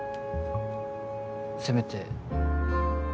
せめて